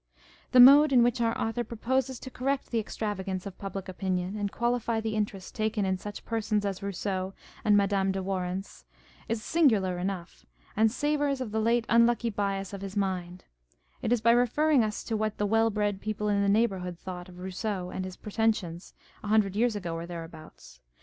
The mode in which our author proposes to correct the extrava gance of public opinion, and qualify the interest taken in such persons as Kousseau and Madame de Warens, is singular enough, and savours of the late unlucky bias of his mind : â€" it is by referring us to what the well bred people in the neighbourhood thought of Rousseau and his pretensions a hundred years ago or thereabouts.